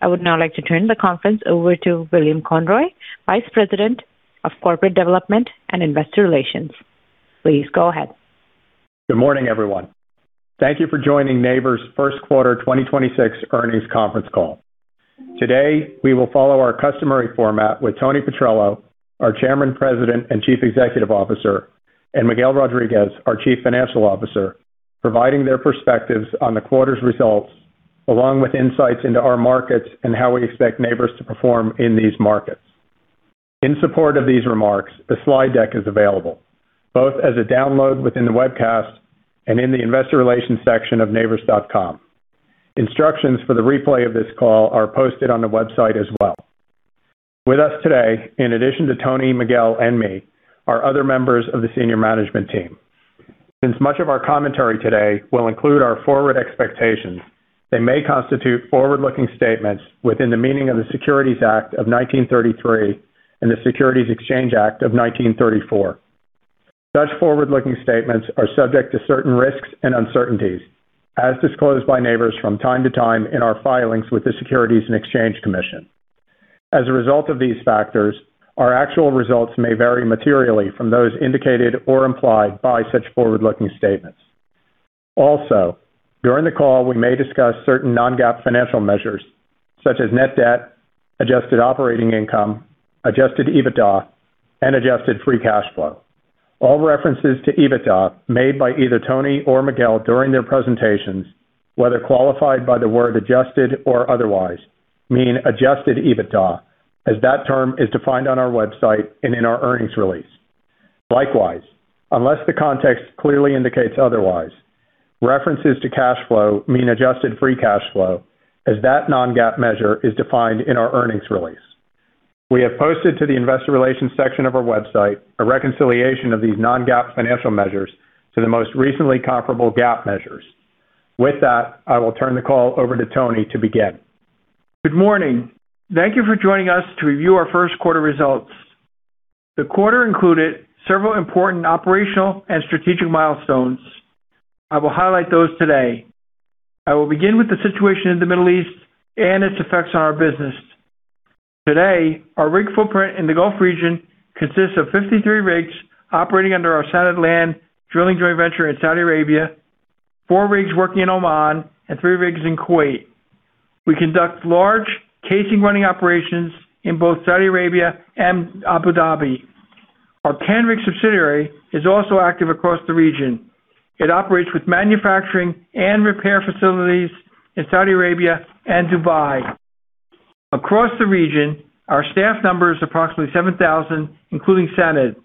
I would now like to turn the conference over to William Conroy, Vice President of Corporate Development and Investor Relations. Please go ahead. Good morning, everyone. Thank you for joining Nabors' first quarter 2026 earnings conference call. Today, we will follow our customary format with Tony Petrello, our Chairman, President, and Chief Executive Officer, and Miguel Rodriguez, our Chief Financial Officer, providing their perspectives on the quarter's results, along with insights into our markets and how we expect Nabors to perform in these markets. In support of these remarks, a slide deck is available, both as a download within the webcast and in the investor relations section of nabors.com. Instructions for the replay of this call are posted on the website as well. With us today, in addition to Tony, Miguel, and me, are other members of the senior management team. Since much of our commentary today will include our forward expectations, they may constitute forward-looking statements within the meaning of the Securities Act of 1933 and the Securities Exchange Act of 1934. Such forward-looking statements are subject to certain risks and uncertainties, as disclosed by Nabors from time-to-time in our filings with the Securities and Exchange Commission. As a result of these factors, our actual results may vary materially from those indicated or implied by such forward-looking statements. Also, during the call, we may discuss certain non-GAAP financial measures such as net debt, adjusted operating income, adjusted EBITDA, and adjusted free cash flow. All references to EBITDA made by either Tony or Miguel during their presentations, whether qualified by the word adjusted or otherwise, mean adjusted EBITDA, as that term is defined on our website and in our earnings release. Likewise, unless the context clearly indicates otherwise, references to cash flow mean adjusted free cash flow, as that non-GAAP measure is defined in our earnings release. We have posted to the investor relations section of our website a reconciliation of these non-GAAP financial measures to the most recently comparable GAAP measures. With that, I will turn the call over to Tony to begin. Good morning. Thank you for joining us to review our first quarter results. The quarter included several important operational and strategic milestones. I will highlight those today. I will begin with the situation in the Middle East and its effects on our business. Today, our rig footprint in the Gulf region consists of 53 rigs operating under our SANAD Land Drilling joint venture in Saudi Arabia, four rigs working in Oman, and three rigs in Kuwait. We conduct large casing running operations in both Saudi Arabia and Abu Dhabi. Our Canrig subsidiary is also active across the region. It operates with manufacturing and repair facilities in Saudi Arabia and Dubai. Across the region, our staff number is approximately 7,000, including SANAD.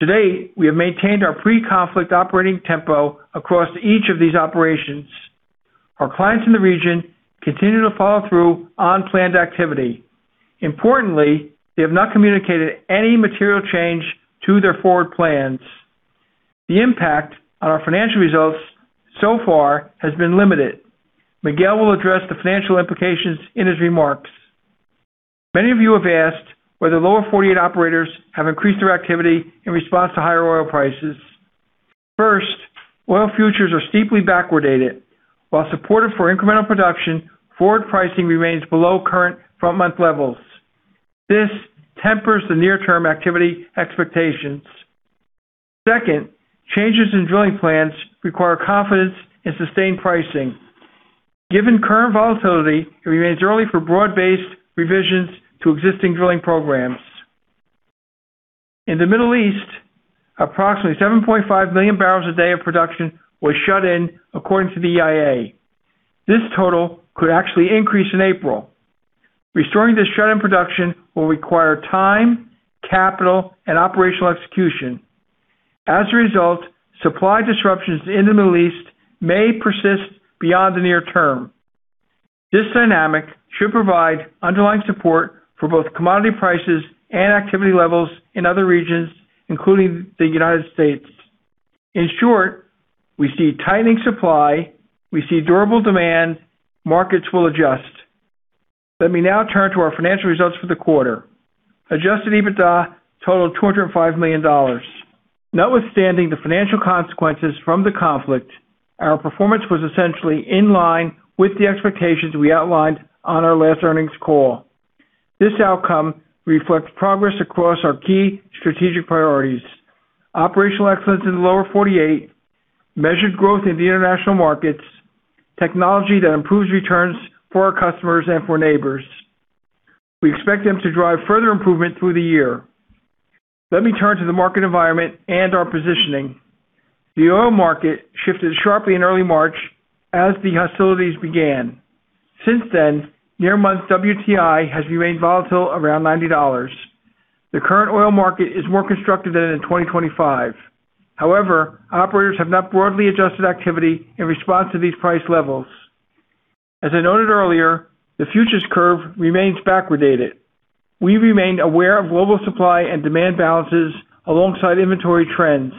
Today, we have maintained our pre-conflict operating tempo across each of these operations. Our clients in the region continue to follow through on planned activity. Importantly, they have not communicated any material change to their forward plans. The impact on our financial results so far has been limited. Miguel will address the financial implications in his remarks. Many of you have asked whether Lower 48 operators have increased their activity in response to higher oil prices. Oil futures are steeply backwardated. While supportive for incremental production, forward pricing remains below current front-month levels. This tempers the near-term activity expectations. Changes in drilling plans require confidence in sustained pricing. Given current volatility, it remains early for broad-based revisions to existing drilling programs. In the Middle East, approximately 7.5 million bbl a day of production was shut in according to the EIA. This total could actually increase in April. Restoring this shut-in production will require time, capital, and operational execution. As a result, supply disruptions in the Middle East may persist beyond the near-term. This dynamic should provide underlying support for both commodity prices and activity levels in other regions, including the United States. In short, we see tightening supply, we see durable demand, markets will adjust. Let me now turn to our financial results for the quarter. Adjusted EBITDA totaled $205 million. Notwithstanding the financial consequences from the conflict, our performance was essentially in line with the expectations we outlined on our last earnings call. This outcome reflects progress across our key strategic priorities: operational excellence in the Lower 48, measured growth in the international markets, technology that improves returns for our customers and for Nabors. We expect them to drive further improvement through the year. Let me turn to the market environment and our positioning. The oil market shifted sharply in early March as the hostilities began. Near month WTI has remained volatile around $90. The current oil market is more constructive than in 2025. Operators have not broadly adjusted activity in response to these price levels. As I noted earlier, the futures curve remains backwardated. We remain aware of global supply and demand balances alongside inventory trends.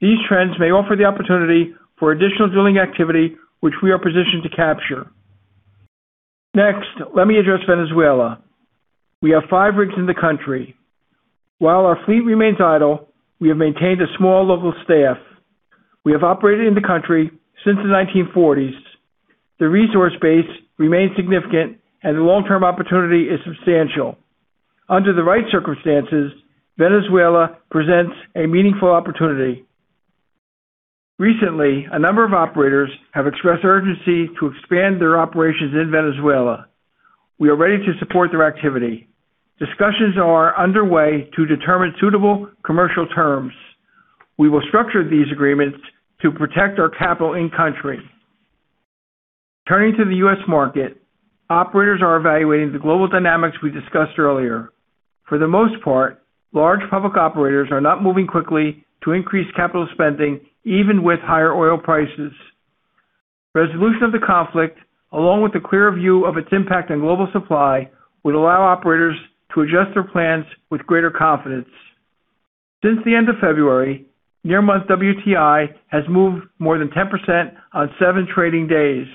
These trends may offer the opportunity for additional drilling activity, which we are positioned to capture. Let me address Venezuela. We have five rigs in the country. While our fleet remains idle, we have maintained a small local staff. We have operated in the country since the 1940s. The resource base remains significant, and the long-term opportunity is substantial. Under the right circumstances, Venezuela presents a meaningful opportunity. Recently, a number of operators have expressed urgency to expand their operations in Venezuela. We are ready to support their activity. Discussions are underway to determine suitable commercial terms. We will structure these agreements to protect our capital in country. Turning to the U.S. market, operators are evaluating the global dynamics we discussed earlier. For the most part, large public operators are not moving quickly to increase capital spending, even with higher oil prices. Resolution of the conflict, along with a clearer view of its impact on global supply, would allow operators to adjust their plans with greater confidence. Since the end of February, near month WTI has moved more than 10% on seven trading days.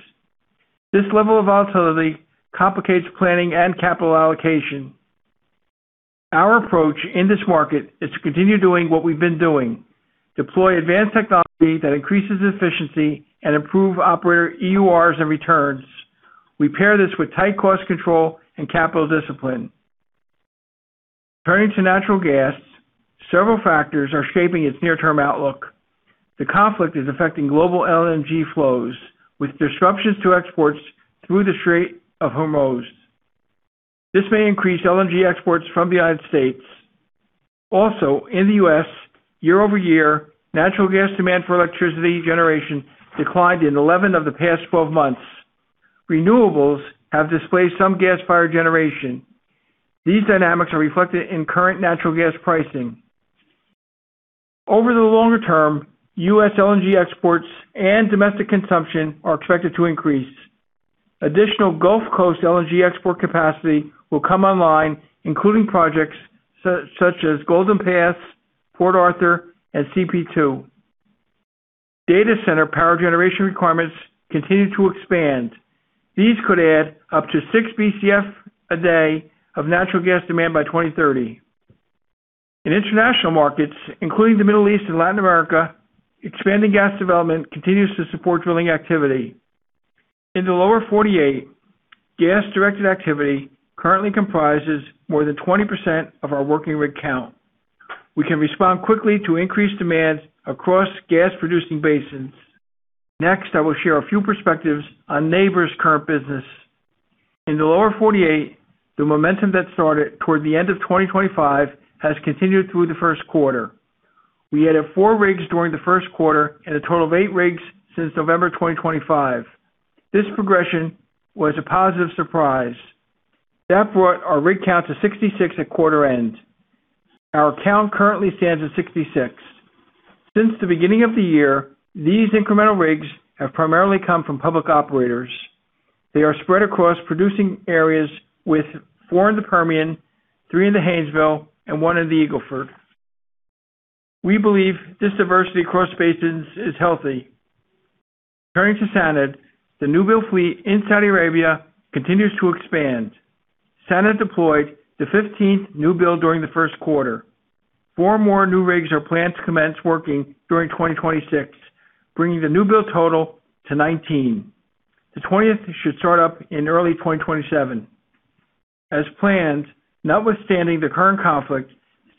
This level of volatility complicates planning and capital allocation. Our approach in this market is to continue doing what we've been doing: deploy advanced technology that increases efficiency and improve operator EURs and returns. We pair this with tight cost control and capital discipline. Turning to natural gas, several factors are shaping its near-term outlook. The conflict is affecting global LNG flows, with disruptions to exports through the Strait of Hormuz. This may increase LNG exports from the U.S. Also, in the U.S., year-over-year, natural gas demand for electricity generation declined in 11 of the past 12 months. Renewables have displaced some gas-fired generation. These dynamics are reflected in current natural gas pricing. Over the longer-term, U.S. LNG exports and domestic consumption are expected to increase. Additional Gulf Coast LNG export capacity will come online, including projects such as Golden Pass, Port Arthur, and CP2 LNG. Data center power generation requirements continue to expand. These could add up to 6 Bcf/d of natural gas demand by 2030. In international markets, including the Middle East and Latin America, expanding gas development continues to support drilling activity. In the Lower 48, gas-directed activity currently comprises more than 20% of our working rig count. We can respond quickly to increased demand across gas-producing basins. Next, I will share a few perspectives on Nabors' current business. In the Lower 48, the momentum that started toward the end of 2025 has continued through the first quarter. We added four rigs during the first quarter and a total of eight rigs since November 2025. This progression was a positive surprise. That brought our rig count to 66 at quarter end. Our count currently stands at 66. Since the beginning of the year, these incremental rigs have primarily come from public operators. They are spread across producing areas with four in the Permian, three in the Haynesville, and one in the Eagle Ford. We believe this diversity across basins is healthy. Turning to SANAD, the new-build fleet in Saudi Arabia continues to expand. SANAD deployed the 15th new-build during the first quarter. Four more new rigs are planned to commence working during 2026, bringing the new build total to 19. The 20th should start up in early 2027. As planned, notwithstanding the current conflict,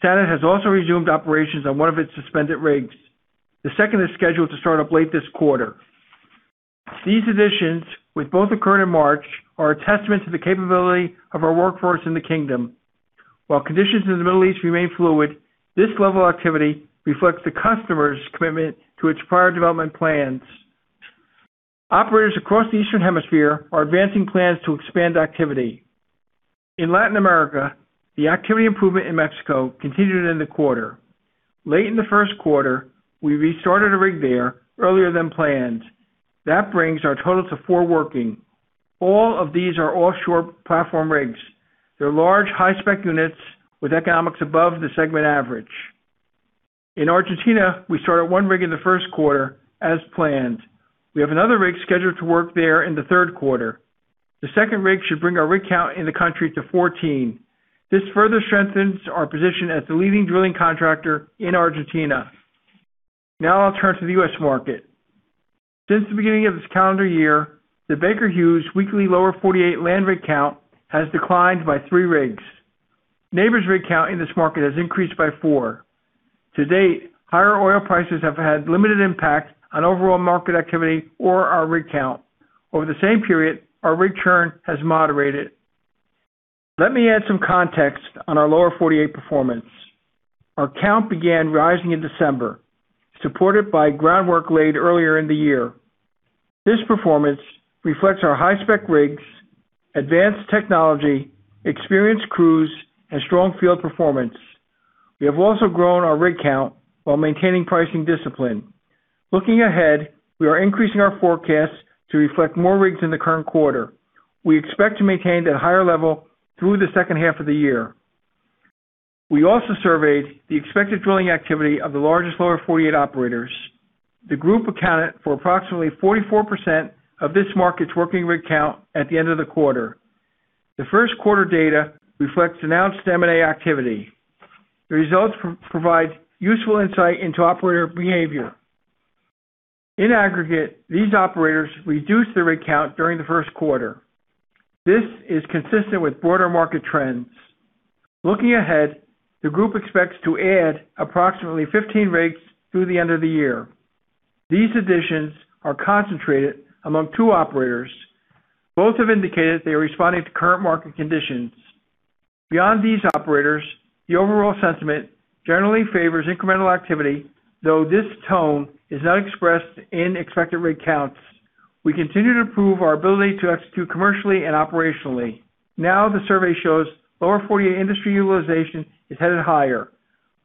SANAD has also resumed operations on one of its suspended rigs. The second is scheduled to start up late this quarter. These additions, with both occurring in March, are a testament to the capability of our workforce in the kingdom. While conditions in the Middle East remain fluid, this level of activity reflects the customer's commitment to its prior development plans. Operators across the Eastern Hemisphere are advancing plans to expand activity. In Latin America, the activity improvement in Mexico continued in the quarter. Late in the first quarter, we restarted a rig there earlier than planned. That brings our total to four working. All of these are offshore platform rigs. They're large, high-spec units with economics above the segment average. In Argentina, we started one rig in the first quarter as planned. We have another rig scheduled to work there in the third quarter. The second rig should bring our rig count in the country to 14. This further strengthens our position as the leading drilling contractor in Argentina. Now I'll turn to the U.S. market. Since the beginning of this calendar year, the Baker Hughes weekly Lower 48 land rig count has declined by three rigs. Nabors' rig count in this market has increased by four. To date, higher oil prices have had limited impact on overall market activity or our rig count. Over the same period, our rig count has moderated. Let me add some context on our Lower 48 performance. Our count began rising in December, supported by groundwork laid earlier in the year. This performance reflects our high-spec rigs, advanced technology, experienced crews, and strong field performance. We have also grown our rig count while maintaining pricing discipline. Looking ahead, we are increasing our forecast to reflect more rigs in the current quarter. We expect to maintain that higher level through the second half of the year. We also surveyed the expected drilling activity of the largest Lower 48 operators. The group accounted for approximately 44% of this market's working rig count at the end of the quarter. The first quarter data reflects announced M&A activity. The results provide useful insight into operator behavior. In aggregate, these operators reduced their rig count during the first quarter. This is consistent with broader market trends. Looking ahead, the group expects to add approximately 15 rigs through the end of the year. These additions are concentrated among two operators. Both have indicated they are responding to current market conditions. Beyond these operators, the overall sentiment generally favors incremental activity, though this tone is not expressed in expected rig counts. We continue to improve our ability to execute commercially and operationally. The survey shows Lower 48 industry utilization is headed higher.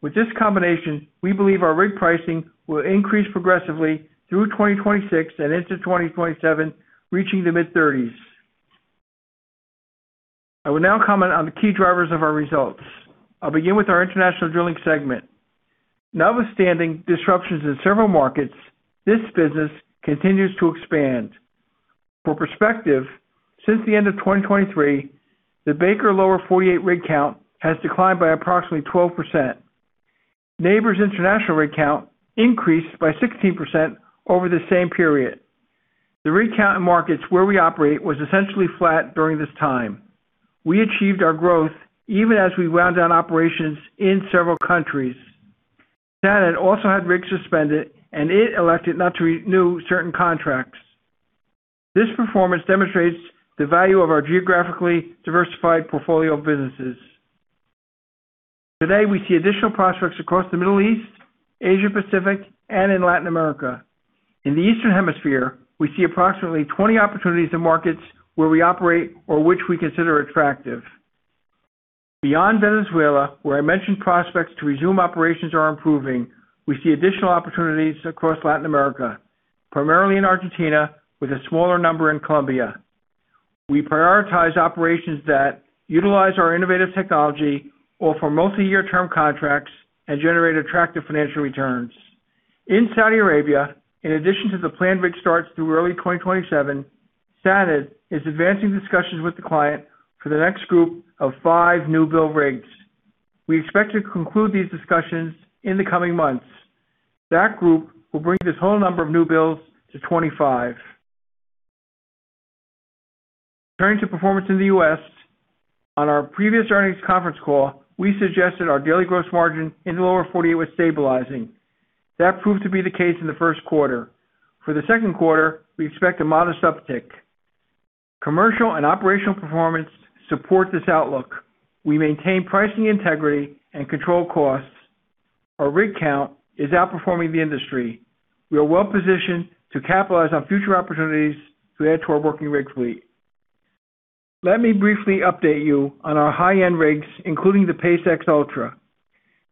With this combination, we believe our rig pricing will increase progressively through 2026 and into 2027, reaching the mid-30s. I will now comment on the key drivers of our results. I'll begin with our international drilling segment. Notwithstanding disruptions in several markets, this business continues to expand. For perspective, since the end of 2023, the Baker Hughes Lower 48 rig count has declined by approximately 12%. Nabors International rig count increased by 16% over the same period. The rig count in markets where we operate was essentially flat during this time. We achieved our growth even as we wound down operations in several countries. Canada also had rigs suspended, and it elected not to renew certain contracts. This performance demonstrates the value of our geographically diversified portfolio of businesses. Today, we see additional prospects across the Middle East, Asia Pacific, and in Latin America. In the Eastern Hemisphere, we see approximately 20 opportunities in markets where we operate or which we consider attractive. Beyond Venezuela, where I mentioned prospects to resume operations are improving, we see additional opportunities across Latin America, primarily in Argentina, with a smaller number in Colombia. We prioritize operations that utilize our innovative technology or for multi-year term contracts and generate attractive financial returns. In Saudi Arabia, in addition to the planned rig starts through early 2027, SANAD is advancing discussions with the client for the next group of five new build rigs. We expect to conclude these discussions in the coming months. That group will bring this whole number of new builds to 25. Turning to performance in the U.S., on our previous earnings conference call, we suggested our daily gross margin in the Lower 48 was stabilizing. That proved to be the case in the first quarter. For the second quarter, we expect a modest uptick. Commercial and operational performance support this outlook. We maintain pricing integrity and control costs. Our rig count is outperforming the industry. We are well-positioned to capitalize on future opportunities to add to our working rigs fleet. Let me briefly update you on our high-end rigs, including the PACE-X Ultra.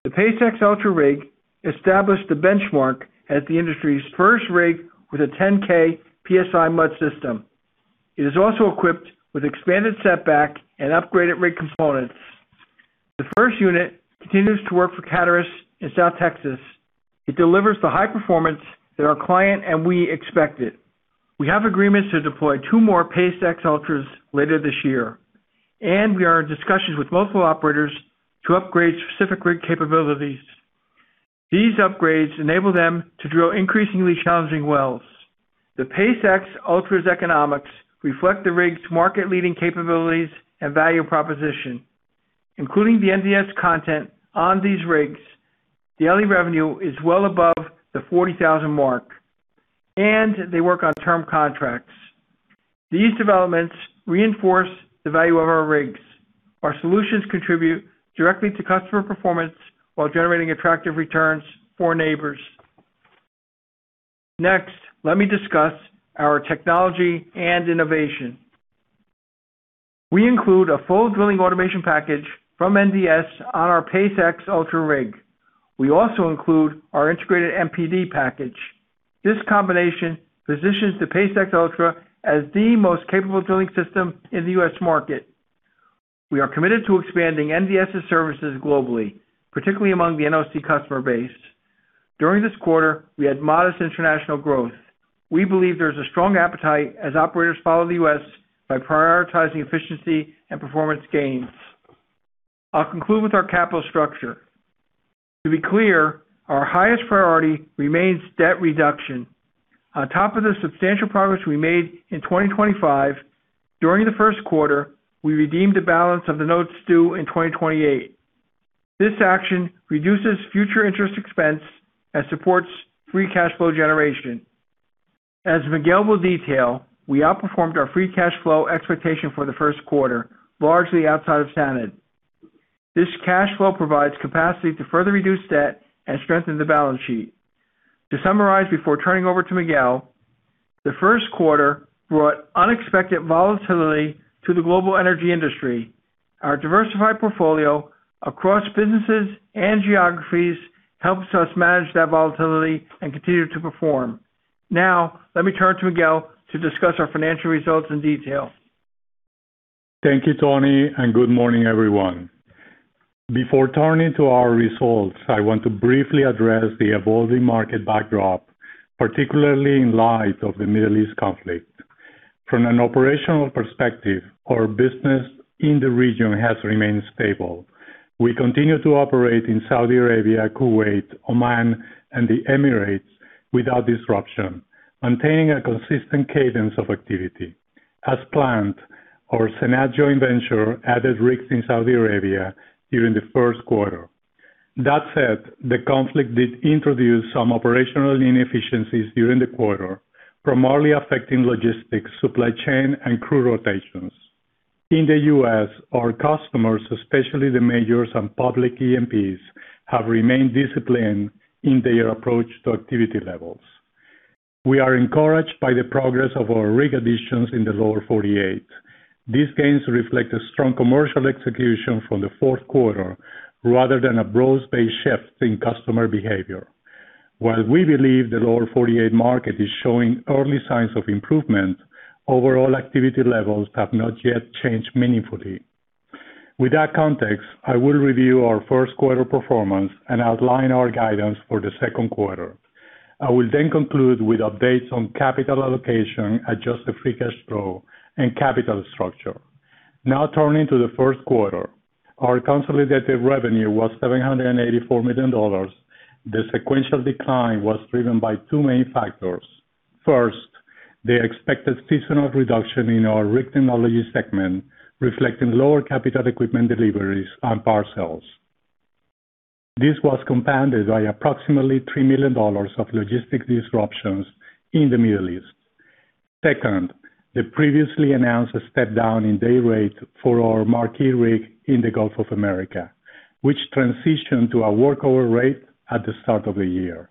The PACE-X Ultra rig established the benchmark as the industry's first rig with a 10K PSI mud system. It is also equipped with expanded setback and upgraded rig components. The first unit continues to work for Cactus in South Texas. It delivers the high performance that our client and we expected. We have agreements to deploy two more PACE-X Ultras later this year, and we are in discussions with multiple operators to upgrade specific rig capabilities. These upgrades enable them to drill increasingly challenging wells. The PACE-X Ultra's economics reflect the rig's market-leading capabilities and value proposition. Including the NDS content on these rigs, the daily revenue is well above the $40,000 mark, and they work on term contracts. These developments reinforce the value of our rigs. Our solutions contribute directly to customer performance while generating attractive returns for Nabors. Next, let me discuss our technology and innovation. We include a full Drilling Automation package from NDS on our PACE-X Ultra rig. We also include our integrated MPD package. This combination positions the PACE-X Ultra as the most capable drilling system in the U.S. market. We are committed to expanding NDS' services globally, particularly among the NOC customer base. During this quarter, we had modest international growth. We believe there's a strong appetite as operators follow the U.S. by prioritizing efficiency and performance gains. I'll conclude with our capital structure. To be clear, our highest priority remains debt reduction. On top of the substantial progress we made in 2025, during the first quarter, we redeemed the balance of the notes due in 2028. This action reduces future interest expense and supports free cash flow generation. As Miguel will detail, we outperformed our free cash flow expectation for the first quarter, largely outside of standard. This cash flow provides capacity to further reduce debt and strengthen the balance sheet. To summarize, before turning over to Miguel, the first quarter brought unexpected volatility to the global energy industry. Our diversified portfolio across businesses and geographies helps us manage that volatility and continue to perform. Let me turn to Miguel to discuss our financial results in detail. Thank you, Tony. Good morning, everyone. Before turning to our results, I want to briefly address the evolving market backdrop, particularly in light of the Middle East conflict. From an operational perspective, our business in the region has remained stable. We continue to operate in Saudi Arabia, Kuwait, Oman, and the Emirates without disruption, maintaining a consistent cadence of activity. As planned, our SANAD joint venture added rigs in Saudi Arabia during the first quarter. That said, the conflict did introduce some operational inefficiencies during the quarter, primarily affecting logistics, supply chain, and crew rotations. In the U.S., our customers, especially the majors and public E&Ps, have remained disciplined in their approach to activity levels. We are encouraged by the progress of our rig additions in the Lower 48. These gains reflect a strong commercial execution from the fourth quarter rather than a broad-based shift in customer behavior. While we believe the Lower 48 market is showing early signs of improvement, overall activity levels have not yet changed meaningfully. With that context, I will review our first quarter performance and outline our guidance for the second quarter. I will then conclude with updates on capital allocation, adjusted free cash flow, and capital structure. Now turning to the first quarter. Our consolidated revenue was $784 million. The sequential decline was driven by two main factors. First, the expected seasonal reduction in our Rig Technologies segment, reflecting lower capital equipment deliveries and part sales. This was compounded by approximately $3 million of logistic disruptions in the Middle East. Second, the previously announced step-down in day rate for our marquee rig in the Gulf of America, which transitioned to a workover rate at the start of the year.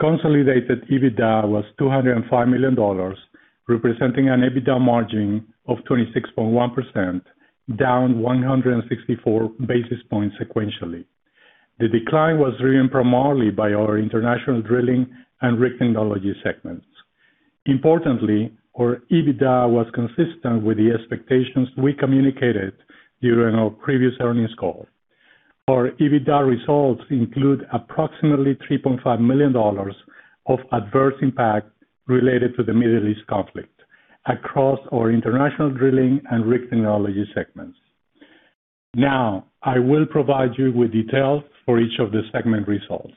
Consolidated EBITDA was $205 million, representing an EBITDA margin of 26.1%, down 164 basis points sequentially. The decline was driven primarily by our International Drilling and Rig Technology segments. Importantly, our EBITDA was consistent with the expectations we communicated during our previous earnings call. Our EBITDA results include approximately $3.5 million of adverse impact related to the Middle East conflict across our International Drilling and Rig Technology segments. Now, I will provide you with details for each of the segment results.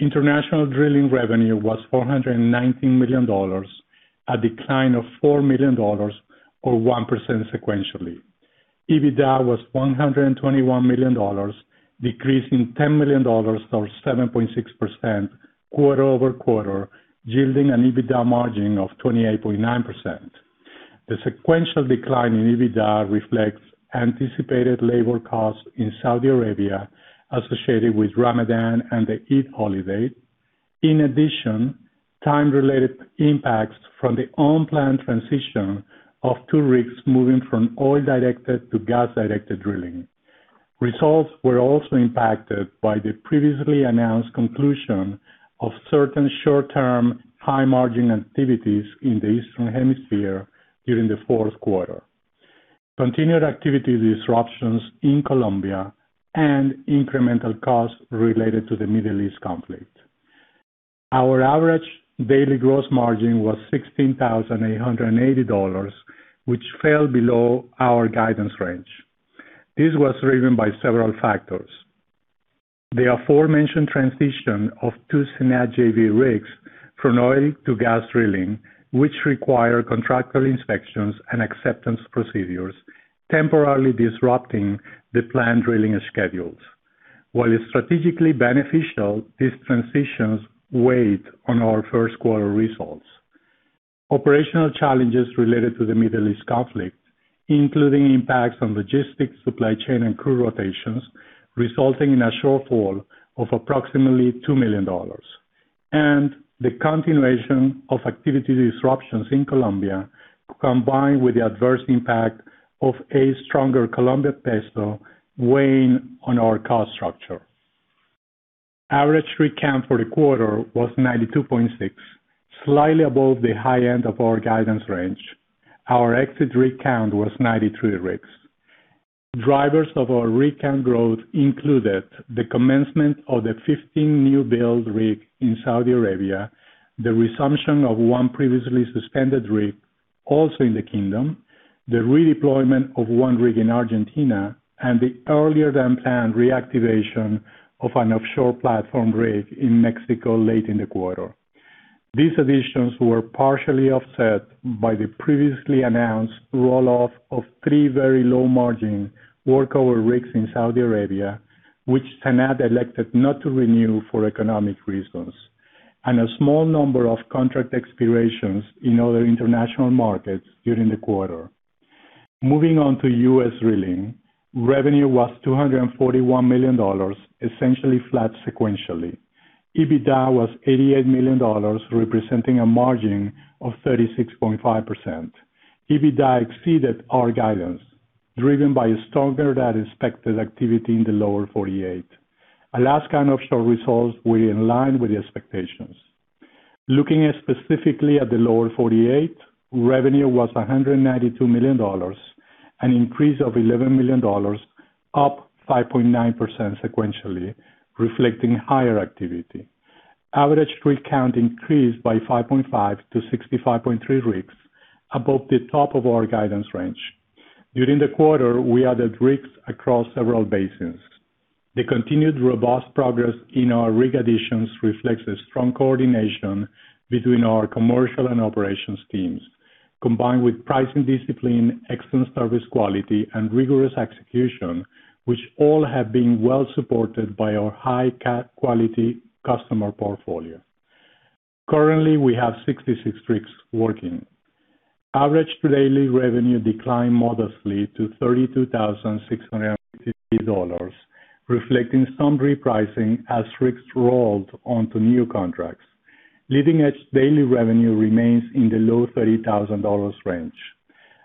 International Drilling revenue was $419 million, a decline of $4 million or 1% sequentially. EBITDA was $121 million, decreasing $10 million or 7.6% quarter-over-quarter, yielding an EBITDA margin of 28.9%. The sequential decline in EBITDA reflects anticipated labor costs in Saudi Arabia associated with Ramadan and the Eid holiday. In addition, time-related impacts from the on-plan transition of two rigs moving from oil-directed to gas-directed drilling. Results were also impacted by the previously announced conclusion of certain short-term high-margin activities in the Eastern Hemisphere during the fourth quarter. Continued activity disruptions in Colombia and incremental costs related to the Middle East conflict. Our average daily gross margin was $16,880, which fell below our guidance range. This was driven by several factors. The aforementioned transition of two SANAD JV rigs from oil to gas drilling, which require contractual inspections and acceptance procedures, temporarily disrupting the planned drilling schedules. While it's strategically beneficial, these transitions weighed on our first quarter results. Operational challenges related to the Middle East conflict, including impacts on logistics, supply chain, and crew rotations, resulting in a shortfall of approximately $2 million. The continuation of activity disruptions in Colombia, combined with the adverse impact of a stronger Colombian peso weighing on our cost structure. Average rig count for the quarter was 92.6, slightly above the high-end of our guidance range. Our exit rig count was 93 rigs. Drivers of our rig count growth included the commencement of the 15 new build rig in Saudi Arabia, the resumption of one previously suspended rig, also in the Kingdom, the redeployment of one rig in Argentina, and the earlier-than-planned reactivation of an offshore platform rig in Mexico late in the quarter. These additions were partially offset by the previously announced roll-off of three very low-margin workover rigs in Saudi Arabia, which SANAD elected not to renew for economic reasons, and a small number of contract expirations in other international markets during the quarter. Moving on to U.S. drilling. Revenue was $241 million, essentially flat sequentially. EBITDA was $88 million, representing a margin of 36.5%. EBITDA exceeded our guidance, driven by stronger-than-expected activity in the Lower 48. Alaska offshore results were in line with the expectations. Looking specifically at the Lower 48, revenue was $192 million, an increase of $11 million, up 5.9% sequentially, reflecting higher activity. Average rig count increased by 5.5 to 65.3 rigs above the top of our guidance range. During the quarter, we added rigs across several basins. The continued robust progress in our rig additions reflects a strong coordination between our commercial and operations teams, combined with pricing discipline, excellent service quality and rigorous execution, which all have been well-supported by our high-quality customer portfolio. Currently, we have 66 rigs working. Average daily revenue declined modestly to $32,660, reflecting some repricing as rigs rolled onto new contracts. Leading edge daily revenue remains in the low $30,000 range.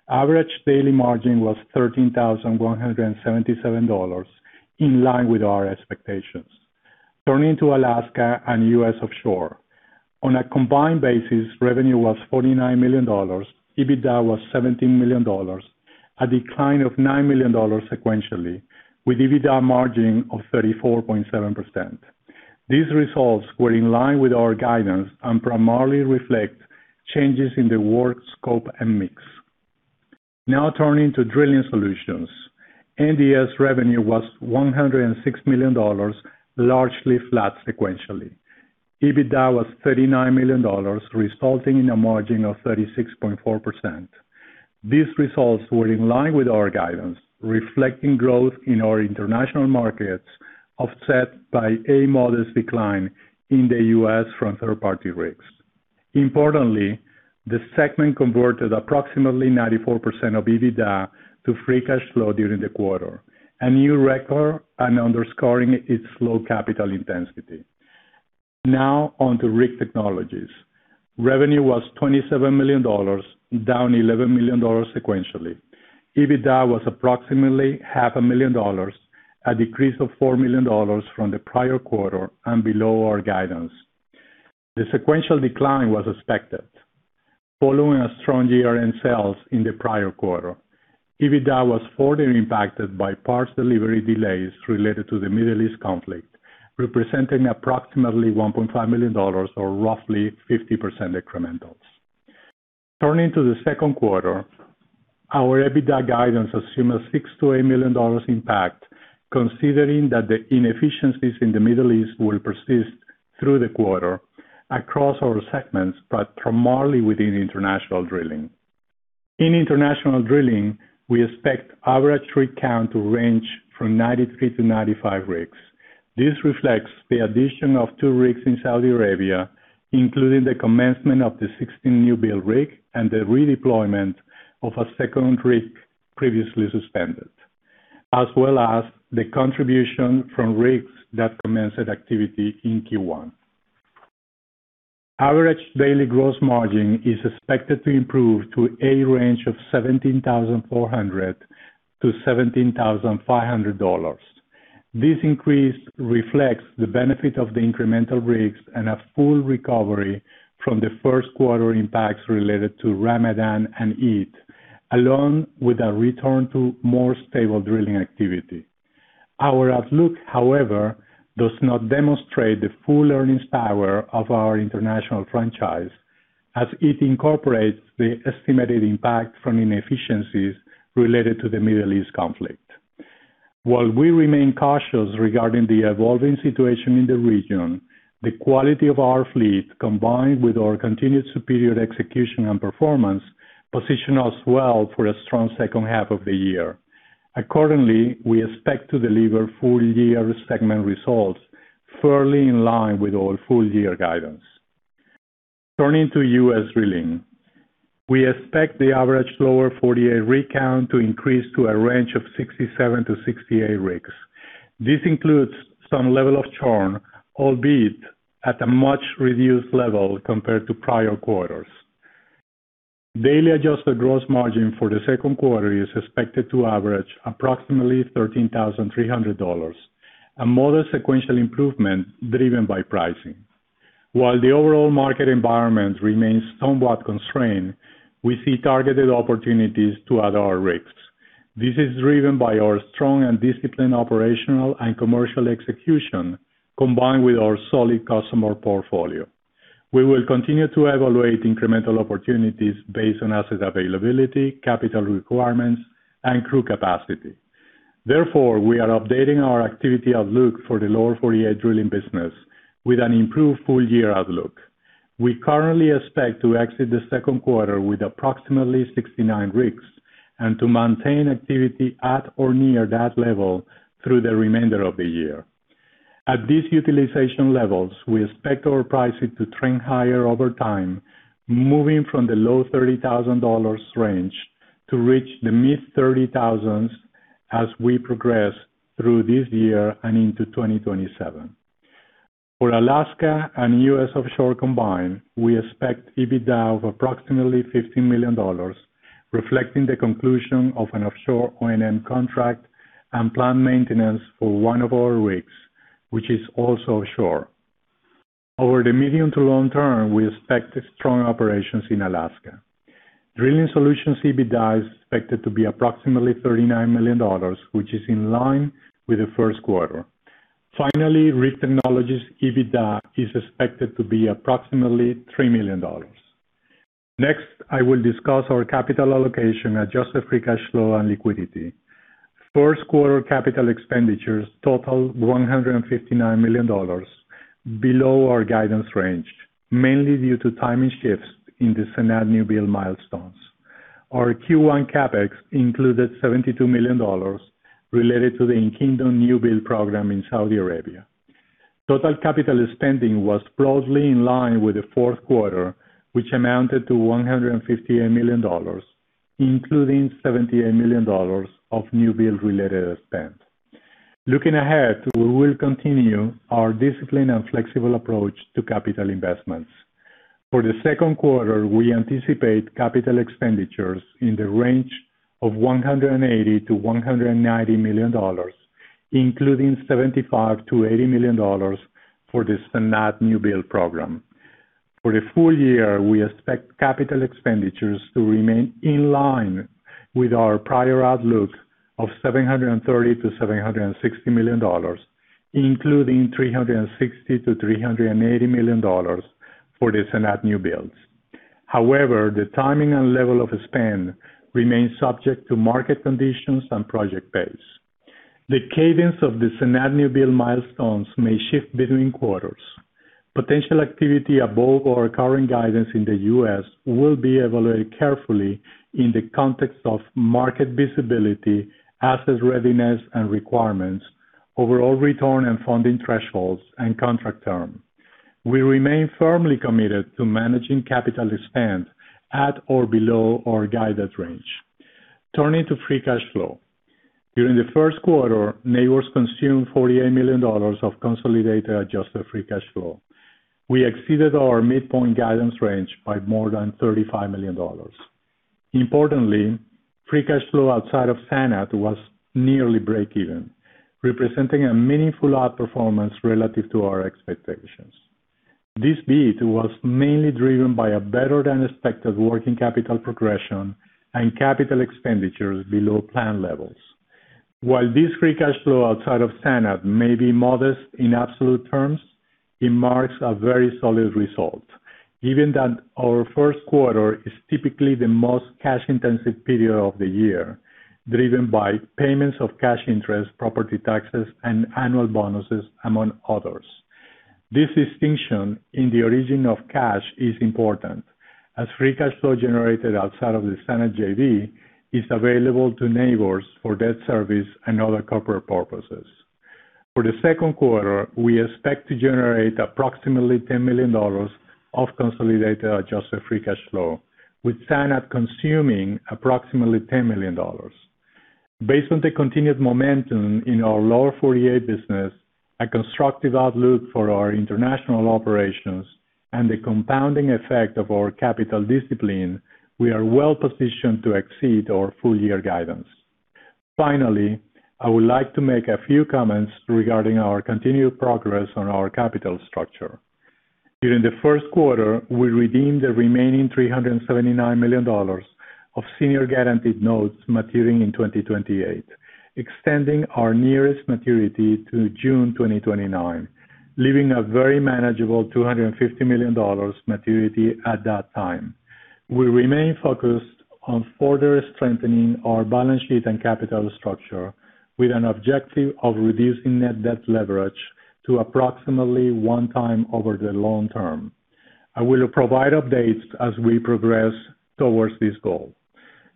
Average daily margin was $13,177 in line with our expectations. Turning to Alaska and U.S. offshore. On a combined basis, revenue was $49 million, EBITDA was $17 million, a decline of $9 million sequentially with EBITDA margin of 34.7%. These results were in line with our guidance and primarily reflect changes in the work scope and mix. Turning to Drilling Solutions. NDS revenue was $106 million, largely flat sequentially. EBITDA was $39 million, resulting in a margin of 36.4%. These results were in line with our guidance, reflecting growth in our international markets, offset by a modest decline in the U.S. from third-party risks. Importantly, the segment converted approximately 94% of EBITDA to free cash flow during the quarter, a new record, and underscoring its low capital intensity. On to Rig Technologies. Revenue was $27 million, down $11 million sequentially. EBITDA was approximately $500,000, a decrease of $4 million from the prior-quarter and below our guidance. The sequential decline was expected following a strong year-end sales in the prior-quarter. EBITDA was further impacted by parts delivery delays related to the Middle East conflict, representing approximately $1.5 million or roughly 50% incremental. Turning to the second quarter, our EBITDA guidance assume a $6 million-$8 million impact, considering that the inefficiencies in the Middle East will persist through the quarter across our segments, but primarily within international drilling. In international drilling, we expect average rig count to range from 93 to 95 rigs. This reflects the addition of two rigs in Saudi Arabia, including the commencement of the 16 new build rig and the redeployment of a second rig previously suspended, as well as the contribution from rigs that commenced activity in Q1. Average daily gross margin is expected to improve to a range of $17,400-$17,500. This increase reflects the benefit of the incremental rigs and a full recovery from the first quarter impacts related to Ramadan and Eid, along with a return to more stable drilling activity. Our outlook, however, does not demonstrate the full earnings power of our international franchise as it incorporates the estimated impact from inefficiencies related to the Middle East conflict. While we remain cautious regarding the evolving situation in the region, the quality of our fleet, combined with our continued superior execution and performance, position us well for a strong second half of the year. Accordingly, we expect to deliver full-year segment results firmly in line with our full-year guidance. Turning to U.S. drilling. We expect the average Lower 48 rig count to increase to a range of 67-68 rigs. This includes some level of churn, albeit at a much reduced level compared to prior-quarters. Daily adjusted gross margin for the second quarter is expected to average approximately $13,300, a modest sequential improvement driven by pricing. While the overall market environment remains somewhat constrained, we see targeted opportunities to add our rigs. This is driven by our strong and disciplined operational and commercial execution, combined with our solid customer portfolio. We will continue to evaluate incremental opportunities based on asset availability, capital requirements and crew capacity. Therefore, we are updating our activity outlook for the Lower 48 drilling business with an improved full-year outlook. We currently expect to exit the second quarter with approximately 69 rigs and to maintain activity at or near that level through the remainder of the year. At these utilization levels, we expect our pricing to trend higher over time, moving from the low $30,000 range to reach the mid-$30,000s as we progress through this year and into 2027. For Alaska and U.S. offshore combined, we expect EBITDA of approximately $15 million. Reflecting the conclusion of an offshore O&M contract and plant maintenance for one of our rigs, which is also offshore. Over the medium-to long-term, we expect strong operations in Alaska. Drilling Solutions EBITDA is expected to be approximately $39 million, which is in line with the first quarter. Finally, Rig Technologies EBITDA is expected to be approximately $3 million. Next, I will discuss our capital allocation, adjusted free cash flow, and liquidity. First quarter capital expenditures totaled $159 million, below our guidance range, mainly due to timing shifts in the SANAD new build milestones. Our Q1 CapEx included $72 million related to the Kingdom new build program in Saudi Arabia. Total capital spending was closely in line with the fourth quarter, which amounted to $158 million, including $78 million of new build-related spend. Looking ahead, we will continue our disciplined and flexible approach to capital investments. For the second quarter, we anticipate capital expenditures in the range of $180 million-$190 million, including $75 million-$80 million for the SANAD new build program. For the full-year, we expect capital expenditures to remain in line with our prior outlook of $730 million-$760 million, including $360 million-$380 million for the SANAD new builds. The timing and level of spend remains subject to market conditions and project pace. The cadence of the SANAD new build milestones may shift between quarters. Potential activity above our current guidance in the U.S. will be evaluated carefully in the context of market visibility, asset readiness and requirements, overall return and funding thresholds, and contract term. We remain firmly committed to managing capital spend at or below our guided range. Turning to free cash flow. During the first quarter, Nabors consumed $48 million of consolidated adjusted free cash flow. We exceeded our midpoint guidance range by more than $35 million. Importantly, free cash flow outside of SANAD was nearly break-even, representing a meaningful outperformance relative to our expectations. This beat was mainly driven by a better-than-expected working capital progression and capital expenditures below plan levels. While this free cash flow outside of SANAD may be modest in absolute terms, it marks a very solid result, given that our first quarter is typically the most cash-intensive period of the year, driven by payments of cash interest, property taxes, and annual bonuses, among others. This distinction in the origin of cash is important, as free cash flow generated outside of the SANAD JV is available to Nabors for debt service and other corporate purposes. For the second quarter, we expect to generate approximately $10 million of consolidated adjusted free cash flow, with SANAD consuming approximately $10 million. Based on the continued momentum in our Lower 48 business, a constructive outlook for our international operations, and the compounding effect of our capital discipline, we are well-positioned to exceed our full-year guidance. Finally, I would like to make a few comments regarding our continued progress on our capital structure. During the first quarter, we redeemed the remaining $379 million of senior guaranteed notes maturing in 2028, extending our nearest maturity to June 2029, leaving a very manageable $250 million maturity at that time. We remain focused on further strengthening our balance sheet and capital structure with an objective of reducing net debt leverage to approximately one time over the long-term. I will provide updates as we progress towards this goal.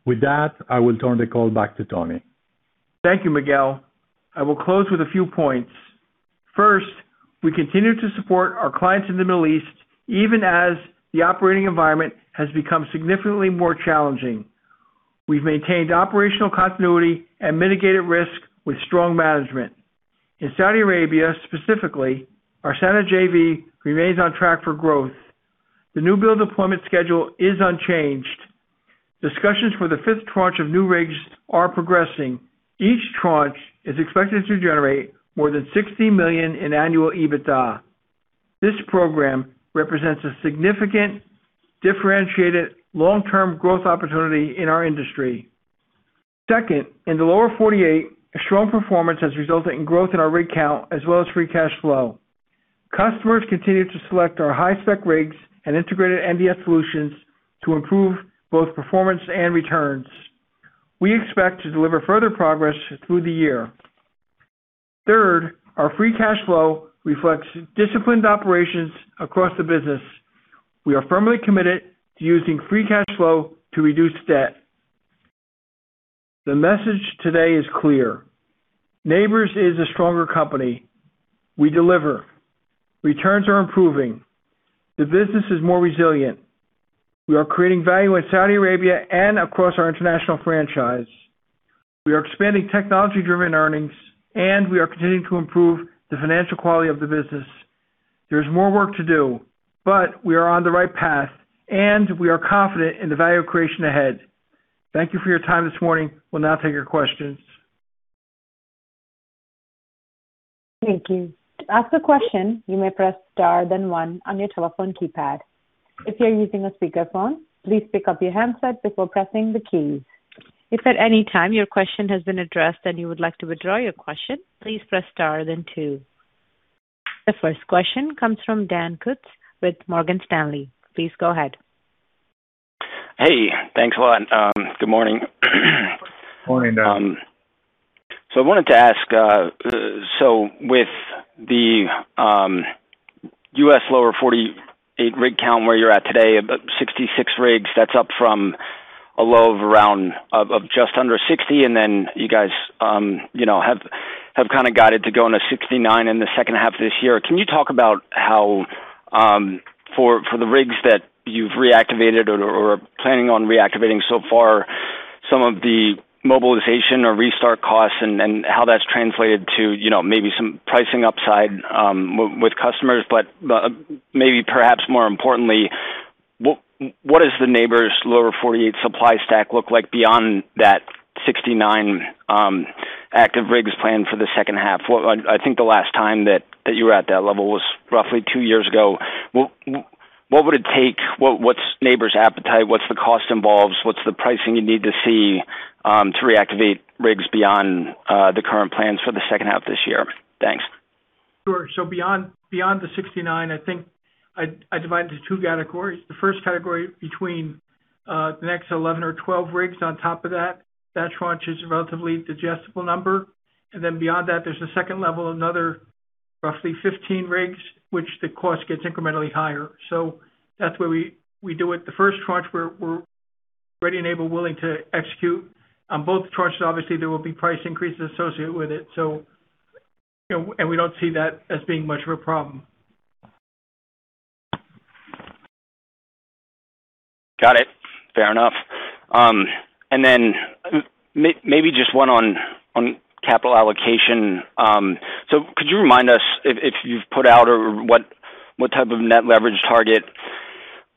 With that, I will turn the call back to Tony. Thank you, Miguel. I will close with a few points. First, we continue to support our clients in the Middle East, even as the operating environment has become significantly more challenging. We've maintained operational continuity and mitigated risk with strong management. In Saudi Arabia, specifically, our SANAD JV remains on track for growth. The new build deployment schedule is unchanged. Discussions for the fifth tranche of new rigs are progressing. Each tranche is expected to generate more than $60 million in annual EBITDA. This program represents a significant, differentiated, long-term growth opportunity in our industry. Second, in the Lower 48, a strong performance has resulted in growth in our rig count as well as free cash flow. Customers continue to select our high-spec rigs and integrated NDS solutions to improve both performance and returns. We expect to deliver further progress through the year. Third, our free cash flow reflects disciplined operations across the business. We are firmly committed to using free cash flow to reduce debt. The message today is clear. Nabors is a stronger company. We deliver. Returns are improving. The business is more resilient. We are creating value in Saudi Arabia and across our international franchise. We are expanding technology-driven earnings, and we are continuing to improve the financial quality of the business. There's more work to do, but we are on the right path, and we are confident in the value creation ahead. Thank you for your time this morning. We'll now take your questions. Thank you. To ask a question, you may press star then one on your telephone keypad. If you're using a speakerphone, please pick up your handset before pressing the keys. If at any time your question has been addressed and you would like to withdraw your question, please press star then two. The first question comes from Dan Kutz with Morgan Stanley. Please go ahead. Hey, thanks a lot. Good morning. Morning, Dan. I wanted to ask, with the U.S. Lower 48 rig count where you're at today, about 66 rigs, that's up from a low of around just under 60. You guys, you know, have kind of guided to go into 69 in the second half of this year. Can you talk about how for the rigs that you've reactivated or are planning on reactivating so far, some of the mobilization or restart costs and how that's translated to, you know, maybe some pricing upside with customers. Maybe perhaps more importantly, what does the Nabors' Lower 48 supply stack look like beyond that 69 active rigs plan for the second half? I think the last time that you were at that level was roughly two years ago. What would it take? What, what's Nabors' appetite? What's the cost involves? What's the pricing you need to see to reactivate rigs beyond the current plans for the second half of this year? Thanks. Sure. Beyond the 69, I think I divide into two categories. The first category between the next 11 or 12 rigs on top of that tranche is a relatively digestible number. Beyond that, there's a second level, another roughly 15 rigs, which the cost gets incrementally higher. That's where we do it. The first tranche, we're ready and able, willing to execute. On both tranches, obviously, there will be price increases associated with it. You know, we don't see that as being much of a problem. Got it. Fair enough. Maybe just one on capital allocation. Could you remind us if you've put out or what type of net leverage target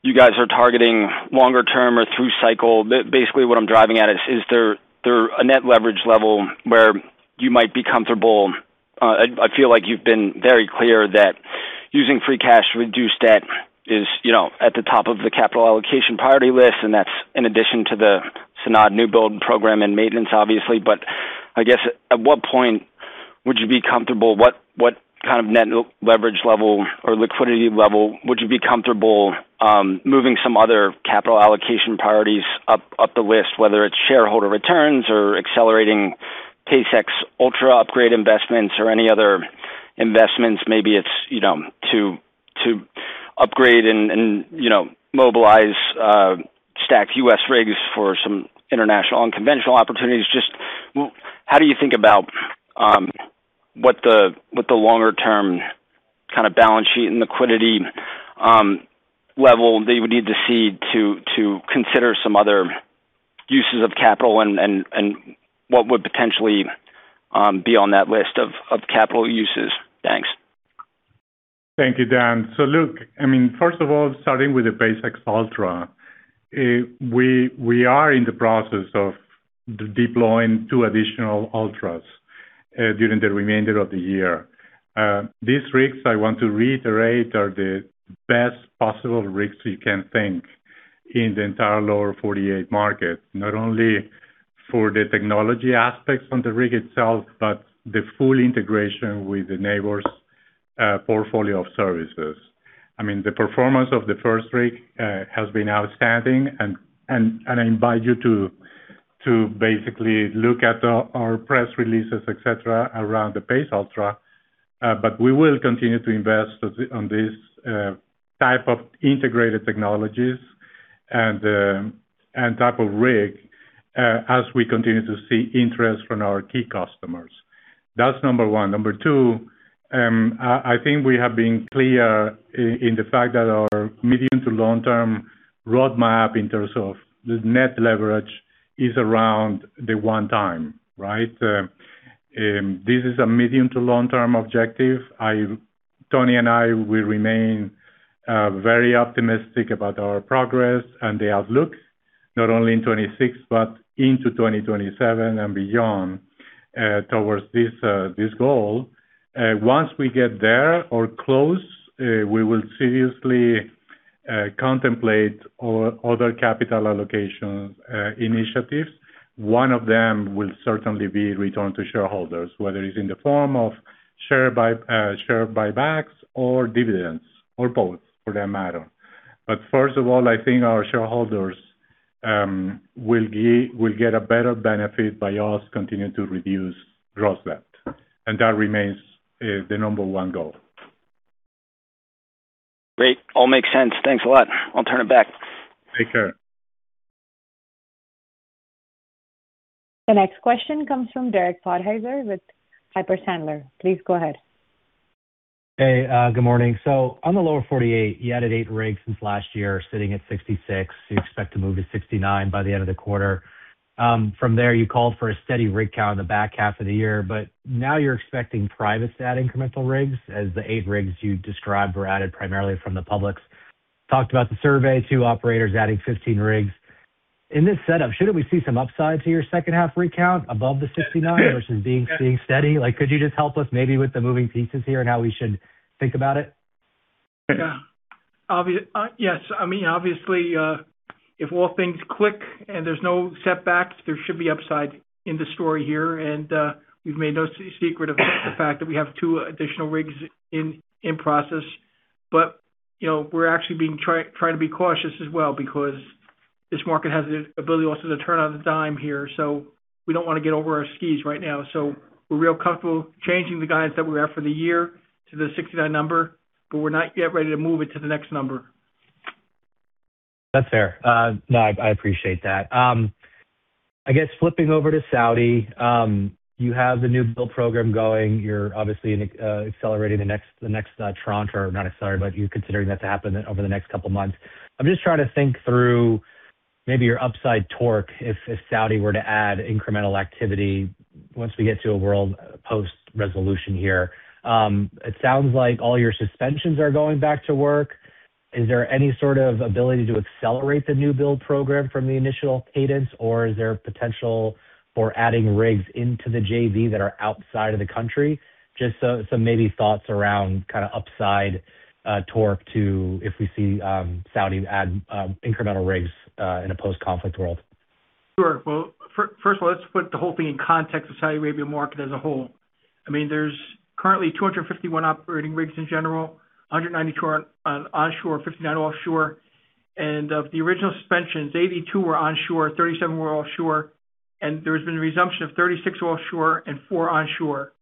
you guys are targeting longer term or through cycle? Basically, what I'm driving at is there a net leverage level where you might be comfortable? I feel like you've been very clear that using free cash to reduce debt is, you know, at the top of the capital allocation priority list. That's in addition to the SANAD new build program and maintenance, obviously. I guess at what point would you be comfortable? What kind of net leverage level or liquidity level would you be comfortable moving some other capital allocation priorities up the list, whether it's shareholder returns or accelerating PACE-X Ultra upgrade investments or any other investments? Maybe it's, you know, to upgrade and, you know, mobilize stack U.S. rigs for some international and conventional opportunities. Just how do you think about what the longer-term kind of balance sheet and liquidity level that you would need to see to consider some other uses of capital and what would potentially be on that list of capital uses? Thanks. Thank you, Dan. Look, I mean, first of all, starting with the PACE-X Ultra, we are in the process of deploying two additional Ultras during the remainder of the year. These rigs, I want to reiterate, are the best possible rigs you can think in the entire Lower 48 market. Not only for the technology aspects on the rig itself, but the full integration with the Nabors portfolio of services. I mean, the performance of the first rig has been outstanding. And I invite you to basically look at our press releases, et cetera, around the PACE-X Ultra. But we will continue to invest on this type of integrated technologies and type of rig as we continue to see interest from our key customers. That's number one. Number two, I think we have been clear in the fact that our medium-to long-term roadmap in terms of the net leverage is around the one time, right. This is a medium-to long-term objective. Tony and I, we remain very optimistic about our progress and the outlook, not only in 2026, but into 2027 and beyond, towards this goal. Once we get there or close, we will seriously contemplate other capital allocation initiatives. One of them will certainly be return to shareholders, whether it's in the form of share buybacks or dividends or both, for that matter. First of all, I think our shareholders will get a better benefit by us continuing to reduce gross debt. That remains the number one goal. Great. All makes sense. Thanks a lot. I'll turn it back. Take care. The next question comes from Derek Podhaizer with Piper Sandler. Please go ahead. Hey, good morning. On the Lower 48, you added eight rigs since last year, sitting at 66. You expect to move to 69 by the end of the quarter. From there, you called for a steady rig count in the back half of the year, but now you're expecting privates to add incremental rigs as the eight rigs you described were added primarily from the publics. Talked about the survey, two operators adding 15 rigs. In this setup, shouldn't we see some upside to your second half rig count above the 69 versus staying steady? Like, could you just help us maybe with the moving pieces here and how we should think about it? Yeah. Yes. I mean, obviously, if all things click and there's no setbacks, there should be upside in the story here. We've made no secret about the fact that we have two additional rigs in process. You know, we're actually being trying to be cautious as well because this market has the ability also to turn on a dime here. We don't wanna get over our skis right now. We're real comfortable changing the guidance that we have for the year to the 69 number, but we're not yet ready to move it to the next number. That's fair. No, I appreciate that. I guess flipping over to Saudi, you have the new build program going. You're obviously accelerating the next, the next tranche or not accelerating, but you're considering that to happen over the next couple of months. I'm just trying to think through maybe your upside torque if Saudi were to add incremental activity once we get to a world post-resolution here. It sounds like all your suspensions are going back to work. Is there any sort of ability to accelerate the new build program from the initial cadence, or is there potential for adding rigs into the JV that are outside of the country? Just some maybe thoughts around kind of upside torque to if we see Saudi add incremental rigs in a post-conflict world. Sure. Well, first of all, let's put the whole thing in context of Saudi Arabian market as a whole. I mean, there's currently 251 operating rigs in general, 192 are onshore, 59 offshore. Of the original suspensions, 82 were onshore, 37 were offshore, and there has been a resumption of 36 offshore and four onshore.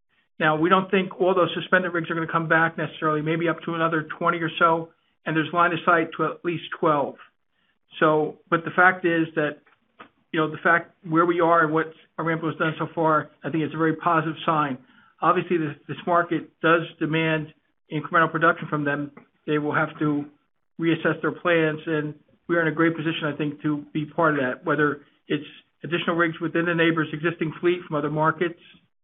We don't think all those suspended rigs are gonna come back necessarily, maybe up to another 20 or so, and there's line of sight to at least 12. The fact is that, you know, the fact where we are and what Aramco has done so far, I think it's a very positive sign. Obviously, this market does demand incremental production from them. They will have to reassess their plans. We are in a great position, I think, to be part of that, whether it's additional rigs within the Nabors existing fleet from other markets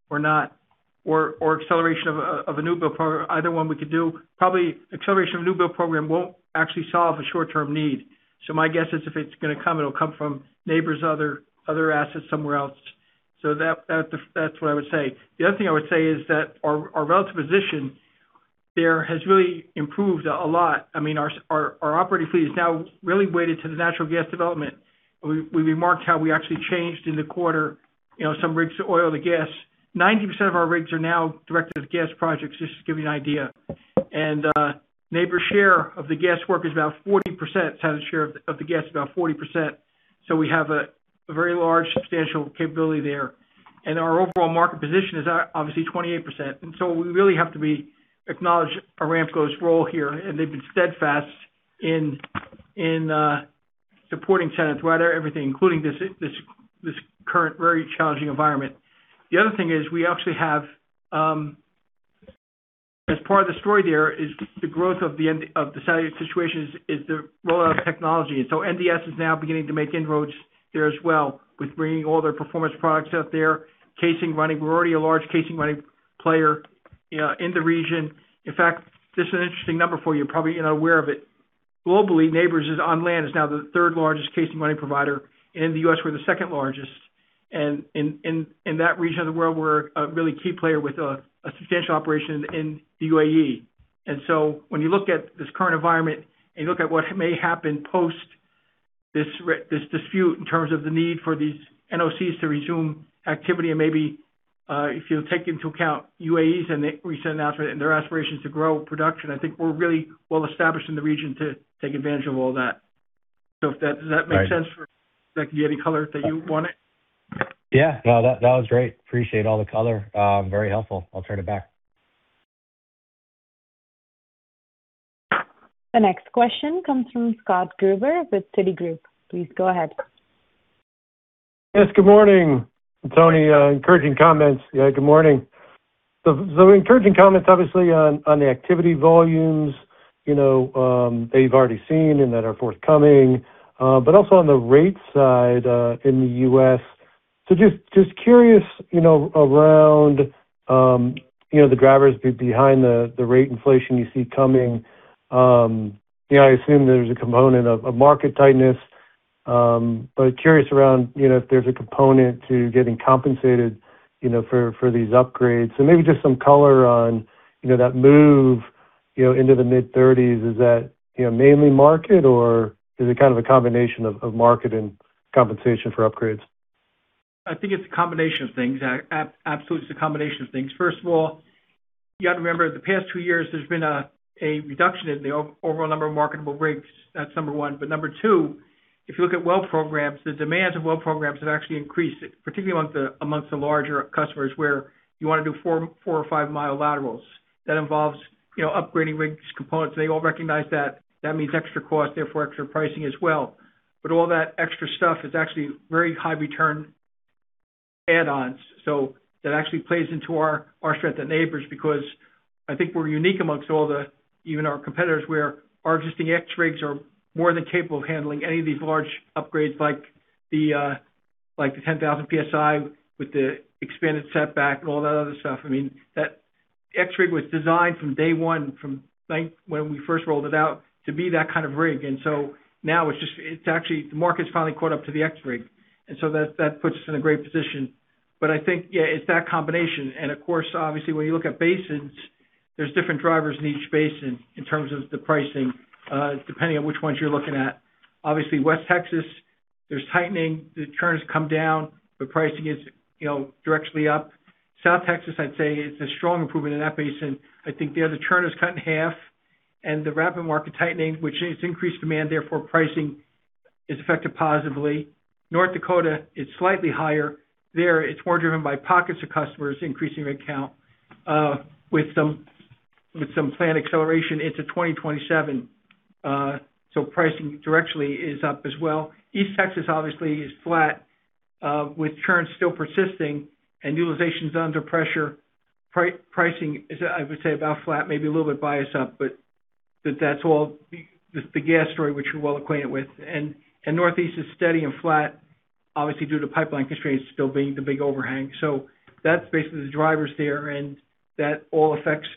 or not, or acceleration of a new build program. Either one we could do. Probably acceleration of a new build program won't actually solve a short-term need. My guess is if it's going to come, it'll come from Nabors other assets somewhere else. That's what I would say. The other thing I would say is that our relative position there has really improved a lot. I mean, our operating fleet is now really weighted to the natural gas development. We remarked how we actually changed in the quarter, you know, some rigs to oil to gas. 90% of our rigs are now directed at gas projects, just to give you an idea. Nabors share of the gas work is about 40%. SANAD share of the gas is about 40%. We have a very large substantial capability there. Our overall market position is obviously 28%. We really have to acknowledge Saudi Aramco's role here, and they've been steadfast in supporting SANAD, whether everything, including this current very challenging environment. The other thing is, we actually have, as part of the story there is the growth of the Saudi situation is the rollout of technology. NDS is now beginning to make inroads there as well with bringing all their performance products out there, casing running. We're already a large casing running player in the region. In fact, this is an interesting number for you. Probably you're not aware of it. Globally, Nabors on land is now the third-largest casing running provider. In the U.S., we're the second-largest. In that region of the world, we're a really key player with a substantial operation in the UAE. When you look at this current environment and you look at what may happen post this dispute in terms of the need for these NOCs to resume activity and maybe, if you'll take into account UAE's and the recent announcement and their aspirations to grow production, I think we're really well established in the region to take advantage of all that. Does that make sense? Right. Does that give you any color that you wanted? Yeah. No, that was great. Appreciate all the color. Very helpful. I'll turn it back. The next question comes from Scott Gruber with Citigroup. Please go ahead. Good morning. Tony, encouraging comments. Good morning. Encouraging comments obviously on the activity volumes, you know, that you've already seen and that are forthcoming, but also on the rate side in the U.S. Just curious, you know, around, you know, the drivers behind the rate inflation you see coming. You know, I assume there's a component of market tightness. But curious around, you know, if there's a component to getting compensated, you know, for these upgrades. Maybe just some color on, you know, that move, you know, into the mid-30s. Is that, you know, mainly market or is it kind of a combination of market and compensation for upgrades? I think it's a combination of things. Absolutely, it's a combination of things. First of all, you have to remember the past two years, there's been a reduction in the overall number of marketable rigs. That's number one. Number two, if you look at well programs, the demands of well programs have actually increased, particularly amongst the larger customers where you wanna do 4 or 5-mile laterals. That involves, you know, upgrading rigs components. They all recognize that. That means extra cost, therefore extra pricing as well. All that extra stuff is actually very high return add-ons. That actually plays into our strength at Nabors because I think we're unique amongst all the even our competitors, where our existing PACE-X rigs are more than capable of handling any of these large upgrades like the 10,000 PSI with the expanded setback and all that other stuff. I mean, that X rig was designed from day one, like when we first rolled it out, to be that kind of rig. Now it's actually, the market's finally caught up to the X rig, and so that puts us in a great position. I think, yeah, it's that combination. Of course, obviously, when you look at basins, there's different drivers in each basin in terms of the pricing, depending on which ones you're looking at. Obviously, West Texas, there's tightening. The churn has come down, but pricing is, you know, directionally up. South Texas, I'd say, is a strong improvement in that basin. I think there the churn is cut in half, and the rapid market tightening, which has increased demand, therefore pricing is affected positively. North Dakota, it's slightly higher. There, it's more driven by pockets of customers increasing rig count, with some planned acceleration into 2027. Pricing directionally is up as well. East Texas obviously is flat, with churn still persisting and utilization's under pressure. Pricing is, I would say about flat, maybe a little bit biased up, but that's all the gas story which we're well acquainted with. Northeast is steady and flat, obviously, due to pipeline constraints still being the big overhang. That's basically the drivers there, and that all affects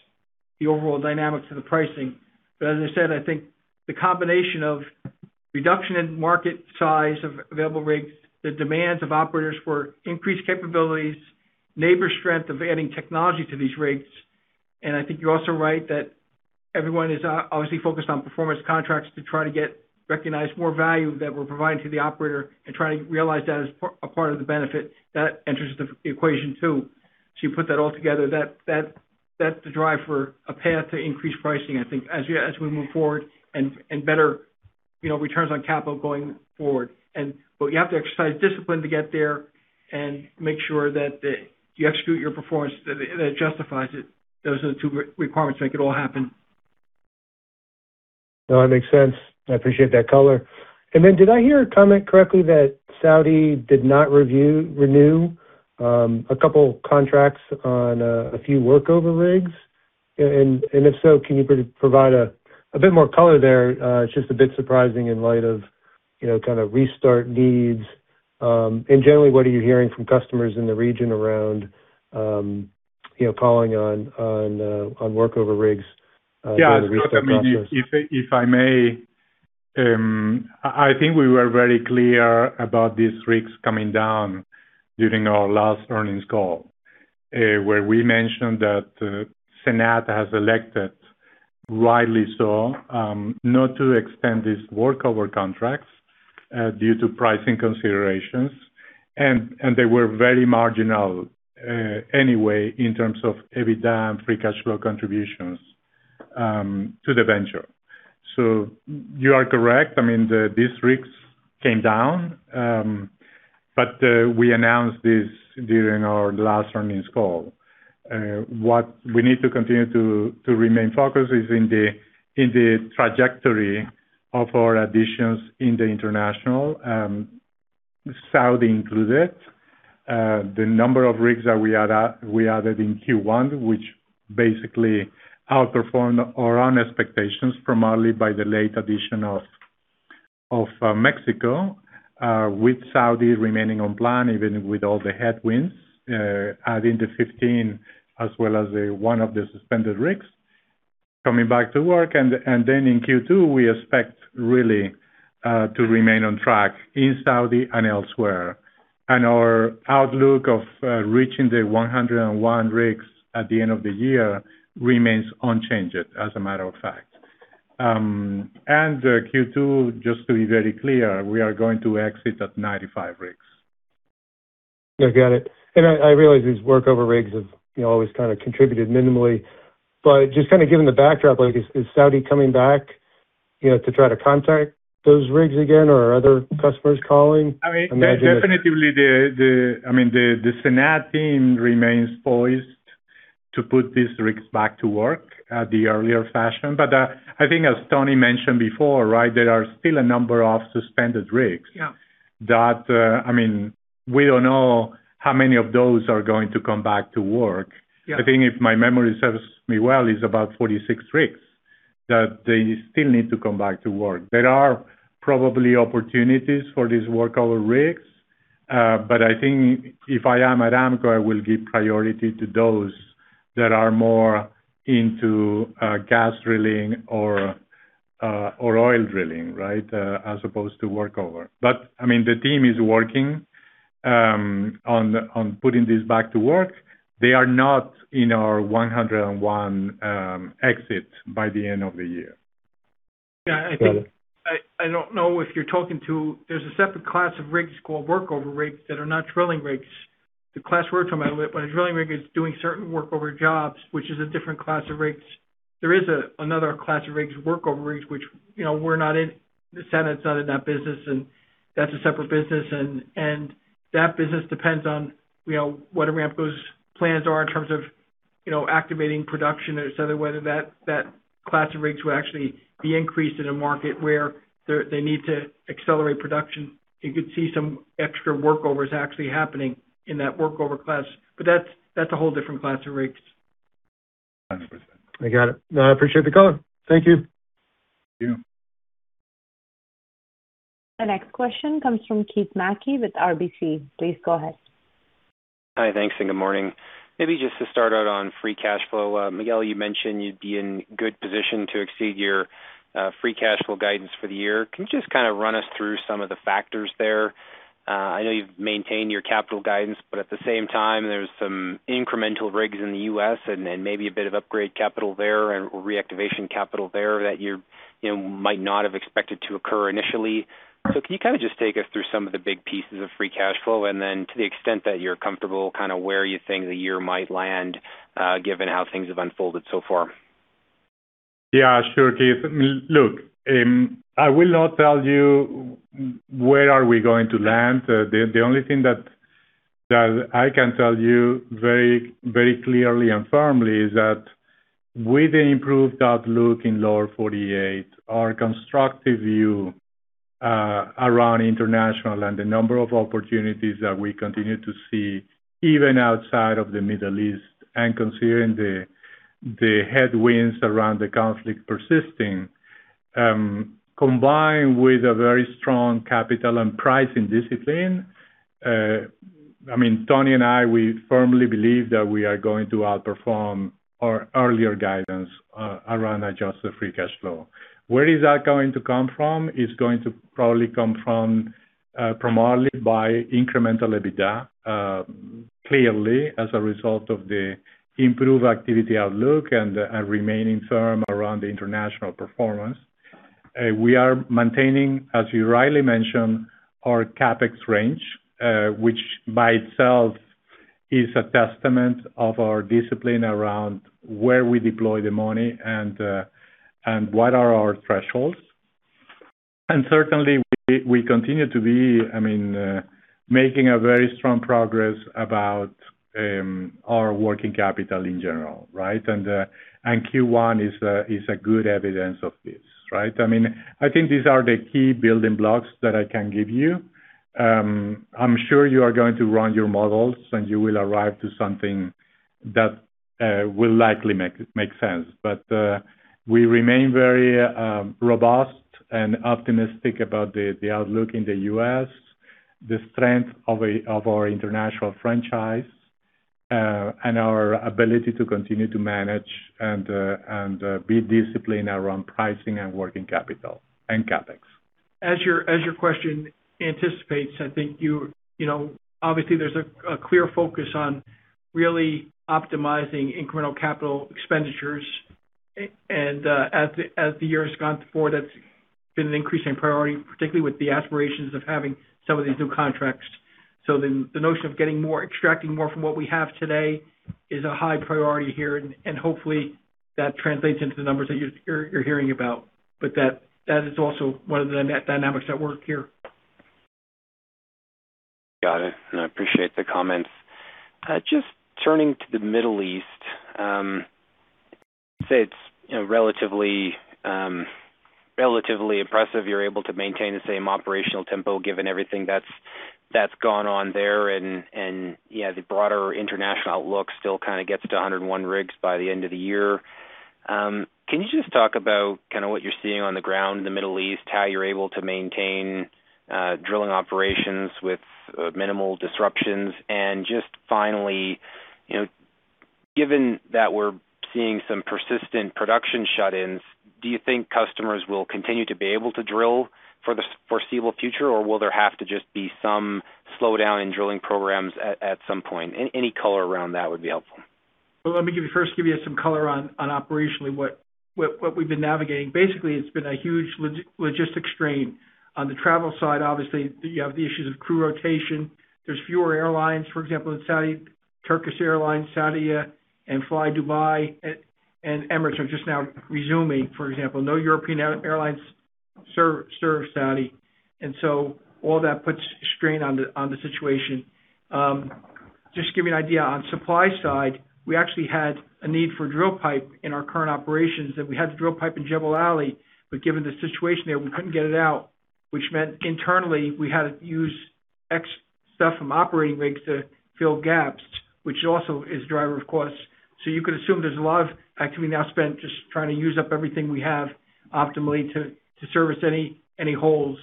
the overall dynamics of the pricing. As I said, I think the combination of reduction in market size of available rigs, the demands of operators for increased capabilities, Nabors' strength of adding technology to these rigs. I think you're also right that everyone is obviously focused on performance contracts to try to recognize more value that we're providing to the operator and trying to realize that as a part of the benefit that enters the equation too. You put that all together, that's the drive for a path to increased pricing, I think, as we move forward and better, you know, returns on capital going forward. You have to exercise discipline to get there and make sure that you execute your performance that justifies it. Those are the two requirements to make it all happen. No, that makes sense. I appreciate that color. Did I hear a comment correctly that Saudi did not renew a couple contracts on a few workover rigs? If so, can you provide a bit more color there? It's just a bit surprising in light of, you know, kind of restart needs. Generally, what are you hearing from customers in the region around, you know, calling on workover rigs for the restart process? Yeah. I mean, if I may, I think we were very clear about these rigs coming down during our last earnings call, where we mentioned that SANAD has elected, rightly so, not to extend these workover contracts, due to pricing considerations. They were very marginal, anyway in terms of EBITDA and free cash flow contributions to the venture. You are correct. I mean, these rigs came down, we announced this during our last earnings call. What we need to continue to remain focused is in the trajectory of our additions in the international, Saudi included. The number of rigs that we add, we added in Q1, which basically outperformed our own expectations, primarily by the late addition of Mexico, with Saudi remaining on plan, even with all the headwinds, adding to 15 as well as one of the suspended rigs coming back to work. Then in Q2, we expect really to remain on track in Saudi and elsewhere. Our outlook of reaching the 101 rigs at the end of the year remains unchanged, as a matter of fact. Q2, just to be very clear, we are going to exit at 95 rigs. Yeah. Got it. I realize these workover rigs have, you know, always kind of contributed minimally. Just kind of given the backdrop, like is Saudi coming back, you know, to try to contract those rigs again, or are other customers calling? I mean, definitively the, I mean, the SANAD team remains poised to put these rigs back to work, the earlier fashion. I think as Tony mentioned before, right, there are still a number of suspended rigs. Yeah. That, I mean, we don't know how many of those are going to come back to work. Yeah. I think if my memory serves me well, it's about 46 rigs that they still need to come back to work. There are probably opportunities for these workover rigs. I think if I am at Aramco, I will give priority to those that are more into gas drilling or oil drilling, right, as opposed to workover. I mean, the team is working on putting this back to work. They are not in our 101 exit by the end of the year. Yeah, I think. Got it. I don't know if you're talking to. There's a separate class of rigs called workover rigs that are not drilling rigs. The class we're talking about, when a drilling rig is doing certain workover jobs, which is a different class of rigs. There is another class of rigs, workover rigs, which, you know, we're not in. SANAD's not in that business. That's a separate business. That business depends on, you know, what Saudi Aramco's plans are in terms of, you know, activating production or so whether that class of rigs will actually be increased in a market where they need to accelerate production. You could see some extra workovers actually happening in that workover class. That's a whole different class of rigs. I got it. No, I appreciate the call. Thank you. Thank you. The next question comes from Keith Mackey with RBC. Please go ahead. Hi, thanks, and good morning. Maybe just to start out on free cash flow. Miguel, you mentioned you'd be in good position to exceed your free cash flow guidance for the year. Can you just kind of run us through some of the factors there? I know you've maintained your capital guidance, but at the same time, there's some incremental rigs in the U.S. and maybe a bit of upgrade capital there or reactivation capital there that you're, you know, might not have expected to occur initially. Can you kind of just take us through some of the big pieces of free cash flow, and then to the extent that you're comfortable, kind of where you think the year might land, given how things have unfolded so far? Yeah, sure, Keith. Look, I will not tell you where are we going to land. The only thing that I can tell you very, very clearly and firmly is that with the improved outlook in Lower 48, our constructive view around international, and the number of opportunities that we continue to see, even outside of the Middle East, and considering the headwinds around the conflict persisting, combined with a very strong capital and pricing discipline, I mean, Tony and I, we firmly believe that we are going to outperform our earlier guidance around adjusted free cash flow. Where is that going to come from? It's going to probably come from primarily by incremental EBITDA, clearly as a result of the improved activity outlook and a remaining term around the international performance. We are maintaining, as you rightly mentioned, our CapEx range, which by itself is a testament of our discipline around where we deploy the money and what are our thresholds. Certainly, we continue to be, I mean, making a very strong progress about our working capital in general, right? Q1 is a good evidence of this, right? I mean, I think these are the key building blocks that I can give you. I'm sure you are going to run your models, and you will arrive to something that will likely make sense. We remain very robust and optimistic about the outlook in the U.S., the strength of our international franchise, and our ability to continue to manage and be disciplined around pricing and working capital and CapEx. As your question anticipates, I think you know, obviously there's a clear focus on really optimizing incremental Capital Expenditures. As the year has gone forward, that's been an increasing priority, particularly with the aspirations of having some of these new contracts. The notion of getting more, extracting more from what we have today is a high priority here, and hopefully that translates into the numbers that you're hearing about. That is also one of the net dynamics at work here. Got it. I appreciate the comments. Just turning to the Middle East, I'd say it's, you know, relatively impressive you're able to maintain the same operational tempo, given everything that's gone on there. You know, the broader international outlook still kind of gets to 101 rigs by the end of the year. Can you just talk about kind of what you're seeing on the ground in the Middle East, how you're able to maintain drilling operations with minimal disruptions? Just finally, you know, given that we're seeing some persistent production shut-ins, do you think customers will continue to be able to drill for the foreseeable future, or will there have to just be some slowdown in drilling programs at some point? Any color around that would be helpful. Well, let me first give you some color on operationally what we've been navigating. Basically, it's been a huge logistic strain. On the travel side, obviously, you have the issues of crew rotation. There's fewer airlines. For example, in Saudi, Turkish Airlines, Saudia, flydubai and Emirates are just now resuming, for example. No European airlines serve Saudi, all that puts strain on the situation. Just to give you an idea, on supply side, we actually had a need for drill pipe in our current operations, and we had the drill pipe in Jebel Ali. Given the situation there, we couldn't get it out, which meant internally we had to use extra stuff from operating rigs to fill gaps, which also is a driver of costs. You could assume there is a lot of activity now spent just trying to use up everything we have optimally to service any holes.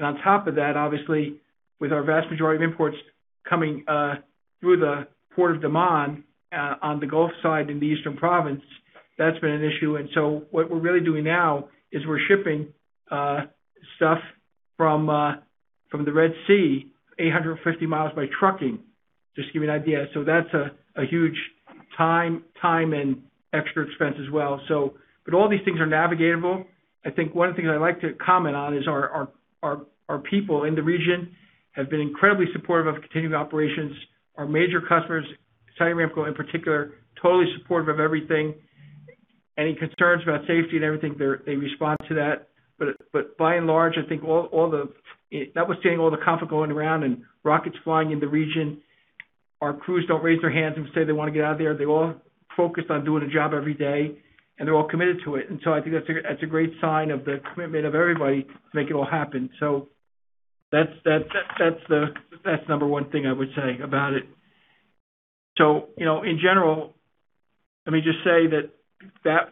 On top of that, obviously, with our vast majority of imports coming through the Port of Dammam on the Gulf side in the Eastern Province, that has been an issue. What we are really doing now is we are shipping stuff from the Red Sea 850 miles by trucking, just to give you an idea. That is a huge time and extra expense as well. All these things are navigatable. I think one thing I would like to comment on is our people in the region have been incredibly supportive of continuing operations. Our major customers, Saudi Aramco in particular, totally supportive of everything. Any concerns about safety and everything, they respond to that. By and large, I think all, notwithstanding all the conflict going around and rockets flying in the region, our crews don't raise their hands and say they wanna get out of there. They're all focused on doing a job every day, and they're all committed to it. I think that's a, that's a great sign of the commitment of everybody to make it all happen. That's, that's the, that's the number one thing I would say about it. You know, in general, let me just say that,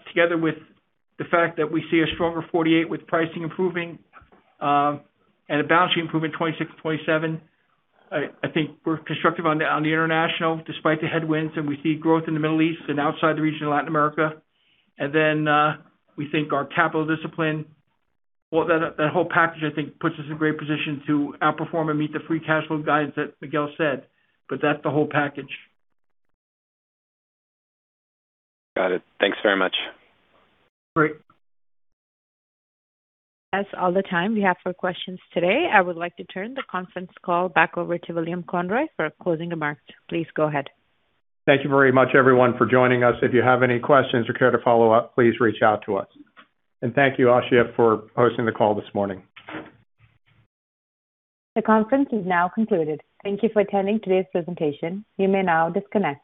together with the fact that we see a stronger 48 with pricing improving, and a bouncy improvement 26 and 27, I think we're constructive on the international despite the headwinds, and we see growth in the Middle East and outside the region of Latin America. We think our capital discipline, well, that whole package, I think, puts us in great position to outperform and meet the free cash flow guidance that Miguel said. That's the whole package. Got it. Thanks very much. Great. That's all the time we have for questions today. I would like to turn the conference call back over to William Conroy for closing remarks. Please go ahead. Thank you very much, everyone, for joining us. If you have any questions or care to follow-up, please reach out to us. Thank you, Ashia, for hosting the call this morning. The conference is now concluded. Thank you for attending today's presentation. You may now disconnect.